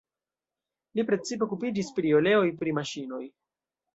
Li precipe okupiĝis pri oleoj pri maŝinoj.